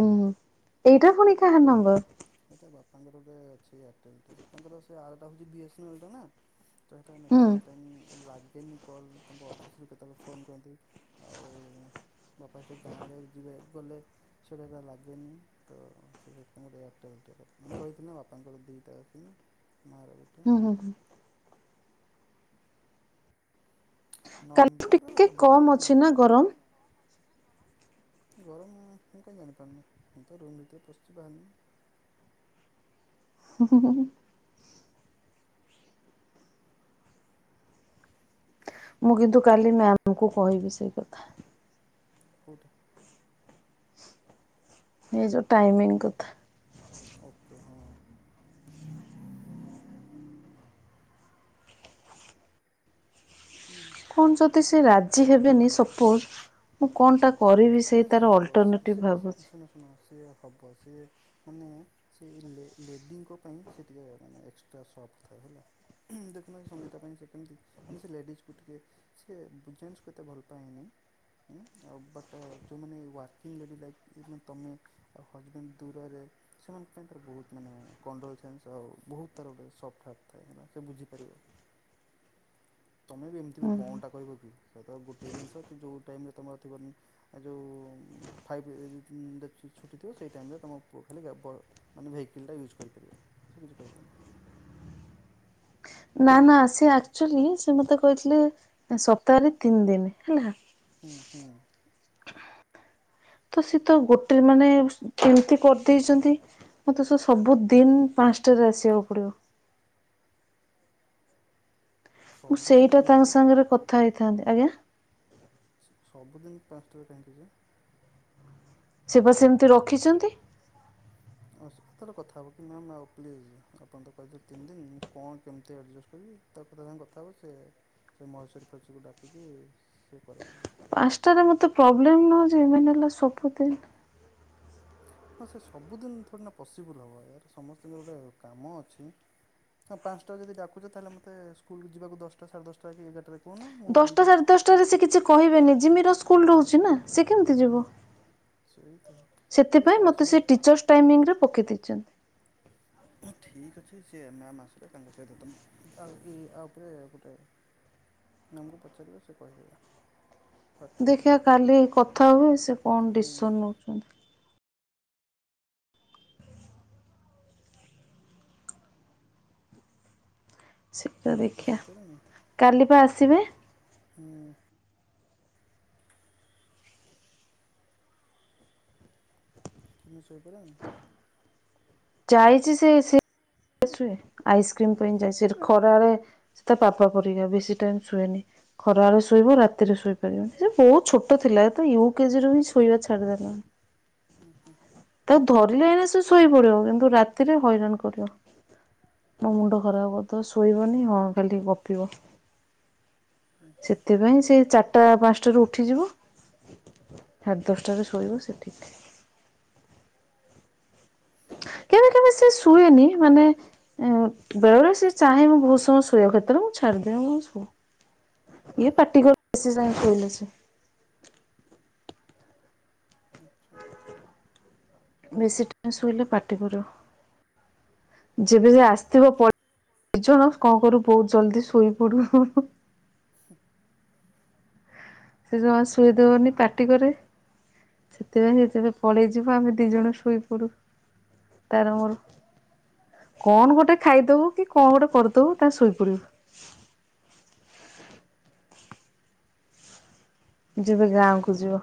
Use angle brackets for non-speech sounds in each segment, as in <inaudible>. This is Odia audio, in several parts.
ହୁଁ, ଏଇଟା ପୁଣି କାହା ନମ୍ବର? ଏଟା ବାପାଙ୍କର ଗୋଟେ ଅଛି ଏୟାରଟେଲ ଟେ ତାଙ୍କର ସେ ଆରଟା ହଉଚି ବି ଏସ୍ ନା ଲ୍ ଟାନା। ପ୍ରାୟତଃ ହୁଁ ମାକ୍ସିମମ୍ ହୁଁ ଟାଇମ୍ ଲାଗେନି କଲ ତାଙ୍କ ଅଫିସ ରୁ କେତେବେ ଫୋନ୍ କରନ୍ତି ଆଉ ବାପା ସେ ଗାଁରେ ଯିବେ ଗଲେ ସେଇଟା ତା ଲାଗେନି ତ ସେ ସେଥିପାଇଁ ଗୋଟେ ଏଇଟା। ମୁଁ କହିଥିନି ନା ମୋ ବାପାଙ୍କର ଦିଟା ଆଖି ହୁଁ ହୁଁ ହୁ। କାଲି ନମ୍ବର ଟିକେ ଏବେ ନା, କମ ଅଛି ଗରମ ମାନେ ଗରମ, ମୁଁ କାଇଁ ଜଣିିପାରୁିନି ମୁଁ ତ ରୁମ୍ ଭିତରେ ପଶିଚି ବାହାରିନି। ହୁଁ-ହୁଁ-ହୁଁ। ମୁଁ କିନ୍ତୁ କାଲି ମ୍ୟାମ୍ ଙ୍କୁ କହିବି ସେଇ କଥା। କୋଉଟା? ଏଇ ଯୋଉ ଟାଇମିଂ କଥା। ଓକେ ହଁ। ହୁଁ। କଣ ଯଦି ସେ ରାଜି ହେବେନି ସପୋଜ୍ ମୁଁ କଣଟା କରିବି ସେଇ ନାଇଁ ତାର ସେ ହବ ସେ ଅଲଟରନେଟିଭ ସେ ଭାବୁଛି। ଶୁଣ ଶୁଣ ସେ ହେବ ସେ ମାନେ ସେ ଲେ ଲେଡିଙ୍କ ପାଇଁ ସେ ଟିକିଏ ମାନେ ଏକ୍ସଟ୍ରା ସଫ୍ଟ୍ ଥାଏ ହେଲା ହୁଁ ଦେଖୁନାହାନ୍ତି ସଙ୍ଗୀତ ପାଇଁ ସେ କେମିତି ମାନେ ସେ ଲେଡିଜକୁ ଟିକେ ସେ ଜେଣ୍ଟସକୁ ଏତେ ଭଲ ପାାଏନି ଉଁ ଆଉ ବଟ୍ ଯେଉଁମାନେେ ୱାର୍କିଙ୍ଗ ଲେଡି ଲାଇକ୍ ଇଭେନ୍ ତମେ ଆଉ ହଜବେଣ୍ଡ ଦୂରରେ ସେମାନେ ତାଙ୍କର ତାର ବହୁତ ମାନେ କଣ୍ଡୋଲୋଜେନ୍ସ ଆଉ ବହୁତ ତାର ଗୋଟେ ସଫ୍ଟ ହାର୍ଟ ଥାଏ ସେ ବୁଝିପାରିବ। ତମେ ବି ଏମିତି ବି କଣଟା କହିବ କି? ସେଇ ତ ଗୋଟିଏ ଜିନିଷ କି ଯୋଉ ଟାଇମରେ ତମର ଥିବ ଏ ଯୋଉ ଫାଇଭ୍ ଛୁଟି ଥିବ ସେଇ ଟାଇମରେ ତୁମ ପୁଅ ଖାଲି ମାନେ ଭେଇକିଲଟା ୟୁଜ୍ କରିପାରିବ ସେ କିଛି କହିବେନି। ନା ନା ସେ ଆକ୍ଚୁଆଲି ସେ ମତେ କହିଥିଲେ ସପ୍ତାହରେ ତିନି ଦିନ, ହେଲା। ହୁଁ- ହୁଁ,। ତ ସେ ତ ଗୋଟେ ମାନେ ଏମିତି କରିଦେଇଛନ୍ତି ମତେ ସେ ସବୁ ଦିନ ପାଞ୍ଚଟାରେ ଆସିବାକୁ ପଡିବ। ମୁଁ ସବୁଦିନ ସେଇଟା କାହିଁକି ତାଙ୍କ ଯେ ସାଙ୍ଗରେ କଥା ହେଇଥାନ୍ତି, ଆଜ୍ଞା। ସବୁଦିନ ପାଞ୍ଚଟାରେ କାହିଁକି ଯେ? ସେ ପା ସେମିତି ରଖିଛନ୍ତି। ହଁ ସତରେ କଥା ହେବ କି ମ୍ୟାମ୍ ଆଉ ପ୍ଲିଜ୍ ଆପଣ ତ କହିଥିଲେ ତିନି ଦିନ ମୁଁ କଣ କେମିତି ଆଡ଼ଜଷ୍ଟ୍ କରିବି ତାପରେ ତାଙ୍କ ସାଙ୍ଗେ କଥା ହେବ ସେ ମହେଶ୍ୱରୀଫହେଶ୍ବରୀକୁ ଡାକିକି ସେ କରେଇଦେବେ। ପାଞ୍ଚଟାରେ ମୋତେ ପ୍ରୋବ୍ଲେମ୍ ନୁହଁ ଯେ ମେନ୍ ହେଲା ସବୁଦିନ। ହଁ ସେ ସବୁଦିନ ଥୋଡି ନା ପସିବୁଲ୍ ହେବ ୟାର୍ ସମସ୍ତଙ୍କର ଗୋଟେ କାମ ଅଛି ହଁ ପାଞ୍ଚଟା ଯଦି ଡାକୁଛ ତାହେଲେ ମୋତେ ସ୍କୁଲକୁ ଯିବାକୁ ଦଶଟା ସାଢ଼େ ଦଶଟା କି ଏଗାରଟାରେ କହୁନ ମୁଁ ଦଶଟା ଯେମିତି ସାଢେ ଦଶଟାରେ ସେ କିଛି କହିବେନି ଜିମିର ସ୍କୁ ସ୍କୁଲ ରହୁଛି ନା। ସେ କେମିତି ଯିବ, ସେଇ ତ ଠିକ୍ ଅଛି ସେଥିପାଇଁ ମତେ ସେ ଆସନ୍ତୁ ଟିଚର୍ସ ଟାଇମିଙ୍ଗରେ ପକେଇ ଦେଇଛନ୍ତି। ଠିକ୍ ଅଛି ସେ ମ୍ୟାମ୍ ଆସିଲେ ତାଙ୍କ ସହିତ ତମେ <inaudible> ୟା ୟାପରେ ଗୋଟେ ମ୍ୟାମକୁ ପଚାରିବ ସେ କହିଦେବେ। ହ୍ୱାଟ୍ ଟୁ ଡୁ ଦେଖିବା କାଲି କଥ୍ କଥା ହୁଏ ସେ କଣ ଡିସିସନ୍ ହୁଁ ନେଉଛନ୍ତି। ସେ ତ ଶୋଇପାରିଲନି ଦେଖିବା କାଲି ପା ଥିବେ। ହୁଁ। ତମେ ଶୋଇପଡିଲଣି? ଜାଇଛି ସେ ସେ ସେ ଶୁଏ? ଆଇସ୍କ୍ରିମ ପାଇଁ ଯାଇଛିହେରି ଖରାରେ ସେ ତା ପାପା ପରିକା ବେଶୀ ଟାଇମ୍ ଶୁଏନି, ଖରାବେଳେ ଶୋଇବ ରାତିରେ ଶୋଇପାରିବନି, ସେ ବହୁତ ଛୋଟ ଥିଲା ୟୁ କେଜିରୁ ହିଁ ଶୋଇବା ଛାଡିଦେଲାଣି। ହୁଁ -ହୁଁ। ଧରିଲେ ଏଇନେ ସେ ଶୋଇ ପଡିବ କିନ୍ତୁ ରାତିରେ ହଇରାଣ କରିବ। ମୋ ମୁଣ୍ଡ ଖରାପ କରିଦେବ ଶୋ ଶୋଇବନି, ହଁ ଖାଲି ଗପିବ। ସେଥିପାଇଁ ସେ ଚାର୍ ଆଟା ପାଞ୍ଚଟାରୁ ଉଠିଯିବୁ ସାଢେ ଦଶଟାରେ ଶୋଇବ ସେ ଠିକ। କେବେ କେବେ ସେ ଶୁଏନି ମାନେ ଏ ବେଳେବେଳେ ସେ ଚାହେଁ ମୁଁ ବହୁତ ସମୟ ଶୋଇବାକୁ କେତେବେଳେ ମୁଁ ଛାଡିଦିଏ ମୁଁ କହେ ଶୁ ଇଏ ପାଟି <unintelligible> ଶୋଇଲେ ସିଏ। ଆଚ୍ଛା। ବେଶୀ ଟାଇମ ଶୋଇଲେ ପାଟି କରୁ। ଯେବେ ସେ ଆସିଥିବ ପ ଜଣ କଣ କରିବୁ ବହୁତ ଜଲଦି ଶୋଇପଡୁ। ହୁଁ। ସେ ଜମା ଶୁଆଇ ଦେବେନି ପାଟି କରିବେ ସେଥିପାଇଁ ସେ ଯେବେ ପଳେଇଯିବ ଆମେ ଦି ଜଣ ଶୋଇପଡୁ ତାର ମୋର କଣ ଗୋଟେ ଖାଇଦବୁ କି କଣ ଗୋଟେ କରିଦବୁ ତା ଶୋଇପଡିବୁ। ଯେବେ ଗାଁକୁୁ ଯିବ।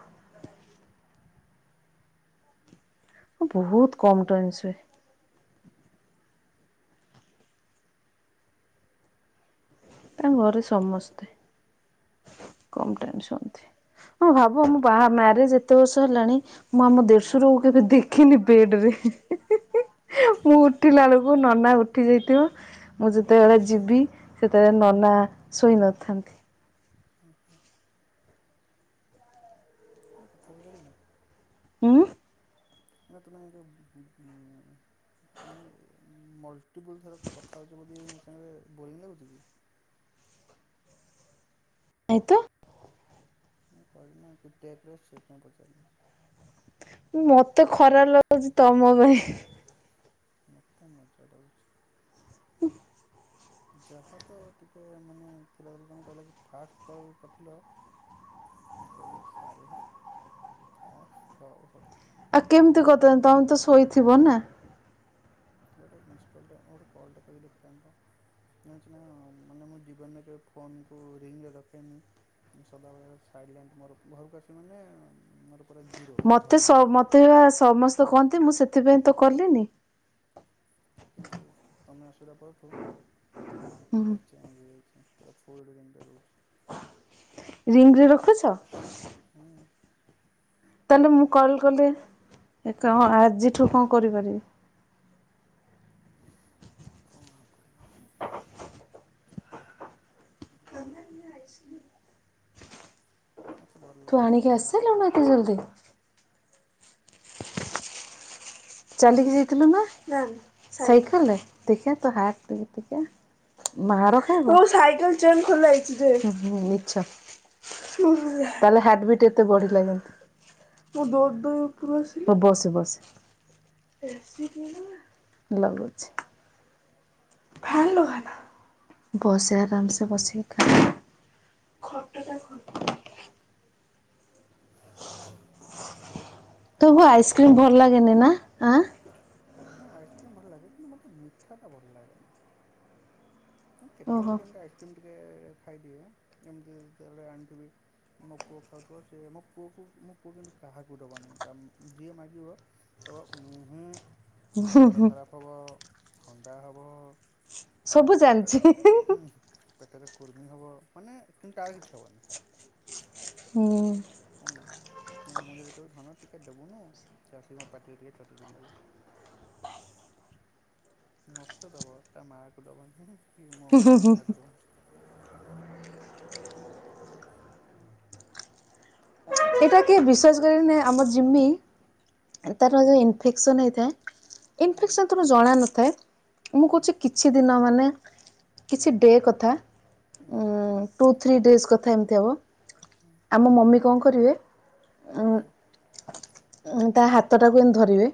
ବହୁତ କମ ଟାଇମ ସୁଏ। ତାଙ୍କ ଘରେ ସମସ୍ତେ କମ ଟାଇମ ଶୁଅନ୍ତି। ହଁ ଭାବ ମୁଁ ବାହା ମ୍ୟାରେଜ ଏତେ ବର୍ଷ ହେଲାଣି ମୁଁ ଆମ ହୁଁ ଦେଢଶରୁ କୁ କେବେ ଦେଖିନି ବେଡରେ। ମୁଁ ହୁଁ ଉଠିଲା ବେଳକୁ ନନା ଉ ଠି ଯାଇଥିବେ ମୁଁ ଯେତେବେଳେ ଯିବି ସେ ତ ନନା ଶୋଇ ନଥାନ୍ତି। ଓହୋ। ଗୋଟେ କଥା ପଚାରିବି? ଉଁ ଆ ତମେ ଏକା ଉ ଉ ଉ ମାନେ ମାନେ ଏ ମଲ ଟିପୁଲ ଥର କଥା ହଉଛ ବୋଲି ମୁଁ ସାଙ୍ଗରେ ବୋରିଂ ଲାଗୁଚି କି? ନାଇଁ ତ। ନାଇଁ କରିନ <unintelligible> ସେଥି ପାଇଁ ପଚାରିଲି। ମତେ ଖରାପ ଲାଗୁଛି ତମ ମତେ ମଜା ଲାଗୁଚି। ଉଁ ଯାହା ତ ଟିକେ ମାନେ ଥିଲା ବାଲାଙ୍କୁ କହିଲା କି ଫାଷ୍ଟ କଲ କରିଥିଲା ମୁଁ କହିଲି ଶାଲା ଫାଷ୍ଟ କ ଆଉ କେମିତି କହିଥାନ୍ତି ତମେ ତ ଶୋଇଥିବ ନା। ଗୋଟେ ମିସକଲଟେ ଗୋଟେ କଲଟେ କରି ଦେଖିଥାନ୍ତ। ଜାଣିଚ ନା କଣ ମାନେ ମୋ ଜୀବନରେ କେବେ ଫୋନକୁ ରିଙ୍ଗରେ ରଖେନି। ଉଁ ସଦାବେଳେ ସାଇଲେଣ୍ଟ ମୋର ଘରୁକୁ ଆସିବି ମାନେ ମୋର ପୁରା ଜିରୋ ମତେ ସ ଭଲ୍ୟୁମ୍ ମତେ ବା ସମସ୍ତେ କହନ୍ତ ନ୍ତି ମୁଁ ସେଥିପାଇଁ ତ କଲିନି। କିନ୍ତୁ ତମେ ଆସିଲା ପରଠୁ ହୁଁ ଏ ଚେଞ୍ଜ ହେଇ ଯାଇଛି। ପୁରା ଫୁଲ ରେ ଯେମିତିଆ ରହୁଛି। ରିଙ୍ଗ ରେ ରଖୁଛ? ହୁଁ। ତାହେଲେ ମୁଁ କଲ କଲେ ଏ କଣ ଆଜିଠୁ କଣ କରିପାରିବି। କଣ ଆଉ କରିବ। ମୋତେ ଭଲ ତୁ ଲାଗେ ତମ ଆଣିକି ସାଙ୍ଗରେ ଆସିଲୁ ନା ଏତେ ଯଲଦି? ଚାଲିକି ଯାଇଥିଲୁ ନା ସାଇକେଲ? ଲଗଉଛି। ବସ ଆରାମସେ ବସିକି ଖାଆ। ଖଟ ଟା ଖ ତାକୁ ଆଜିକାଲି ଆଇସ୍କ୍ରିମ ଛୁଆଗୁଡ଼ା ଭଲ ଲାଗେନି ନା ଆଁ? ଆଇସକ୍ରିମ ଭଲ ଲାଗେ କିନ୍ତୁ ମେ ମିଠା ଟା ଭଲ ଲାଗେନି। ଓହୋ କେତବେଳେ କେମତି ଆଇସ୍କ୍ରିମ ଟେ। ଖାଇଦିଏ ଏମିତି ଯେତେବେଳେ ଆଣିଥିବି ମୋ ପୁଅ ଖାଉଥିବ ସେି ମୋ ପୁଅକୁ ମୋ ପୁଅ କିନ୍ତୁ କାହାକୁ ଦେବାନି ତା ଯିଏ ମାଗିବ ମୁ ମୁଁ, ପେଟ ଖରାପ ହବ, ଥଣ୍ଡା ହେବ। ହୁଁ ସବୁ ପେଟ ଜାଣି। ହୁଁ <unintelligible> ପେଟରେ କୁର୍ମି ହବ ମାନେ କିନ୍ତୁ ଆଉ କିଛି ହବ। ହୁଁ, ମୁଁ ଯଦି ଧନ ଟିକେ ଦବୁନ <unintelligible> ପାଟିରେ ଟିକେ ଚଟିେଇ ଟିବି ମତେ ଦବ ତା ମାକୁ ଦବନି କି ମୋ ମ କାହାକୁଡ <unintelligible> ଏଇଟ କିଏ ବିଶ୍ୱାସ କରିନ ଆମର ଜିମି ତାର ହୁଁ ଯେଉଁ ଇନଫେକ୍ସନ୍ ହେଇଥାଏ, ହୁଁ ଇନେସ ତ ଜଣ ନଥାଏ ମୁଁ ହୁଁ। କହୁଛି କିଛି ଦିନ ମାନେ କିଛି ଡେ କଥା ହୁଁ ତୁ <inaudible> ଥ୍ରୀ ଡ୍ରିସ କଥା ଏମତି ହବ। ଆମ ମମି କଣ କରିବେ, ହୁଁ <unintelligible> <unintelligible> ତା ହାତ ଟାକୁ ଏମିତି ଧରିବେ।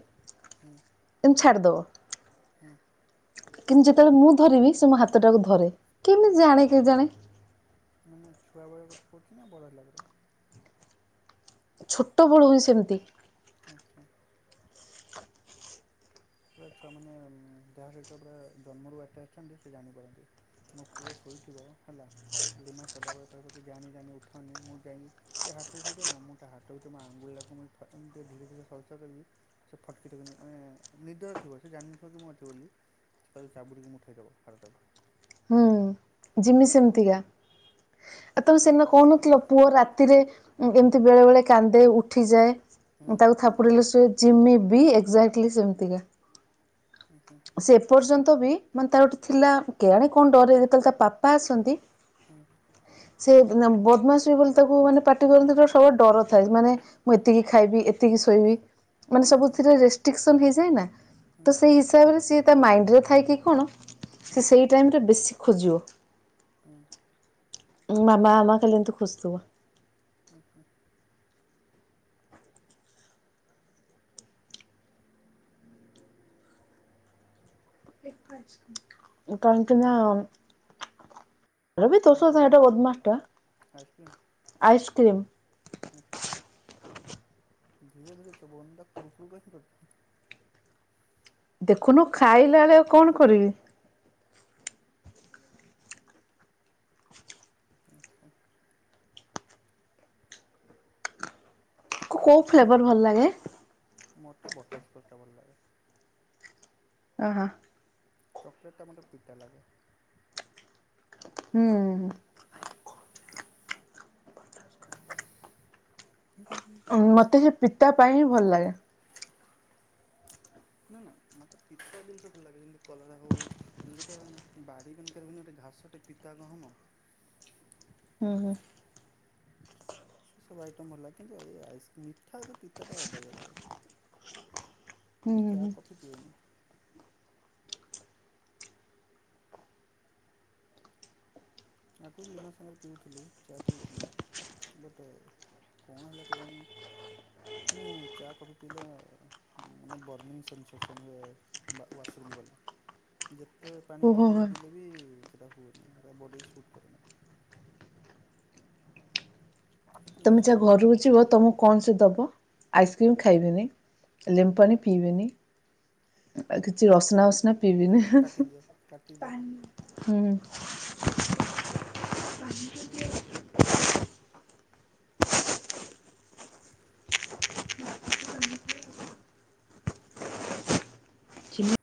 ହୁଁ <unintelligible> ଏମିତି ଛାଡିଦବ। ହୁଁ <inaudible> କିନ୍ତୁ ଯେତେବେଳେ ମୁଁ ଧରିବି ସେ ମୋ ହାତ ଟାକୁ ଧରେ କେମିତି ଜାଣେ କେ ଜାଣେ ମାନେ ଛୁଆ ବଳି କଥା ପଛି ନା ବଢ଼ାର ଲାଗିଲ <inaudible> ଛୋଟ ବଳୁ ହିଁ ସେମିତି ଆଚ୍ଛା <unintelligible> ଛୁଆ ମାନେ ଦେହା ସହିତ ପୁରା ଜନ୍ମରୁ ବାଟେ ଆସିଛନ୍ତି ସେ ଜାଣିପାରନ୍ତି ମୋ ପୁଅ ଶୋଇଥିବ ହେଲା ଲିମା ସଦାବେଳେ କଖି ଯାାନି ଜାି ଉଠନି ମୁଁ ଯାଇି ସେ ହଟରେ ସହିତ ନା ମୁଁ ତା ହାତଟରୁ ମୋ ଆ <inaudible> ଙ୍ଗୁଳିଟାକୁ ମୁ ଏମତି ଧୀରେ ଧୀରେ ସସ କରିବି ସେ ଫଟକିକନି ମାନେ। ନିଦୟ ଥିବ ସେ ଜାଣିନଥିବ କି ମୁଁ ଅଛିିବ ବୋଲି ତାଲେ ଚାାବୁଡିକି ମୁଠେଇଦବ ହାଡ଼ଟାକୁ ହୁଁ <unintelligible> ଜିମି ସେମିତିକା ଆ ସେ ତମ ସିନା ଛୁଆମାନେ କହୁନଥିଲ ପୁଅ ରାତି ତିରେ ଏମିତି ବେଳେ ବେଳେ କାନ୍ଦେ ଉଠିଯାଏ। ହୁଁ ତାକୁ ଥାପୁଡିଲ ଶଏ। ଜିମି ବି ଏକ୍ଜାକ୍ଟଲି ସେମିତିକା। ହୁଁ ହୁଁ ସେପର୍ଯ୍ୟ <unintelligible> ବି ମାନେ ତାର ଗୋଟେ ଥିଲା କେଜାଣୀ କଣ ଡରେ ଯେତେବେଳେ ତା ବାପା ଆସନ୍ତି ହୁଁ। ସେ ବଦ୍ମାଶି ଏ ହୁଏ ବୋଲି ତାକୁ ମାନେ ପାଟି କରନ୍ତିା ସବୁଳେ ଡର ଥାଏ ମାନେ ମୁଁ ଏତିକି ଖାଇବି ଏତିକି ଶୋଇବି। ମାନେ ହୁଁ ସବୁଥିରେ ରେଷ୍ଟ୍ରିକସନ ହେଇ ଯାଇ ନା ହୁଁ ତ ସେଇ ହିସାବରେ ସିଏ ତା ମାଇଣ୍ଡ ରେ ଥାଇ କି କଣ? ହୁଁ ସେ ସେଇ ଟାଇମ ରେ ବେଶୀ ଖୋଜିବ। ହୁଁ। ମାମା ମାମା ଏମିତି ଖାଲି ଖୋଜୁଥିବ। <unintelligible> କଣ କିି ନା। <inaudible> ରବି କଣ ତଷ ଖାଉଛ ସେଟା ବଦମାସ ଟା ଆଇସ୍କ୍ରିମ୍? ଆଇସ୍କ୍ରିମ୍। ଧୀରେ ଧୀରେ ଚ ବନ୍ଦା କୁଡ଼ୁ କଡ଼ୁ କ କର। ଦେଖୁନୁ ଖାଇଲା ବେଳେ ଆଉ କଣ କରିବି? ଆଚ୍ଛା କୋ ମୁଁ କୋଉ ସେଥିପାଇଁ ଫ୍ଲେଭର ଭଲ ଲାଗେ? ମୋତେ ବଟର ସ୍କଚ ଟା ଭଲ ଲାଗେ। ଓ ହ। ଚକଲେଟ ଟା ମୋତେ ପିତା ଲାଗେ। ହୁଁ। ଅ ମତେ ସେ ପିତା ପାଇଁ ଭଲ ଲାଗେ। ନ ନା ମତେ ପିତା ଜିନିଷ ଭଲ ଲାଗେ ଯେମିତି କଲରା ହଉ ଗୋଟେ ବାଡିର <unintelligible> ଗୋଟେ ଘାସେ ପିତା ଗହମ। ହୁଁ ହୁଁ। ସେ ସବୁ ଆଇଟମ ହେଲା କିନ୍ତୁ ଏ ଆଇସକ୍ରିମ ମିଠା ଏତେ ପିତା ଟା ଅବାଗ୍ୟ ଲାଗେ। ମୁଁ ହୁଁ ଚାହା ହୁଁ କଫି ପିଏନି। ଆଗରୁ ଲିମା ସାଙ୍ଗରେ ପିଉଥିଲି ଚା ପିଉଥିଲି ବଟ କଣ ହେଲା କେ ଜାଣି ମୁଁ ଚା କଫି ପିଇଲା ମାନେ ବର୍ଣିଂନ୍ସସ ହୁଏ <unintelligible> ହୁଏ ୱା ୱାଶରୁମ୍ ଗଲେ। ଏତେ ପାଣି ପିଇକି ଓହୋ ବି ପିଇଲେ ବି ସେଇଟା ହୁଏନି ବ। <unintelligible> କ। <inaudible> ସେଥିପାଇଁ ମୁଁ ତମେ ଯାହା ଛାଡ଼ିଦେଲି ଘରକୁ ଯିବ ତମକୁ କଣ ସେ ଦବ? ଆଇସ୍କ୍ରିମ ଖାଇବେନି ଲେମ୍ବୁ ପାଣି ପିଇବେନି ଆଉ କିଛି ରସନାଵସନା ପିବିନି ହାଁ ହାଁ କାଟିଦିଅ କାଟିଦିଅ। ପାଣି ହଁ। ଚିନି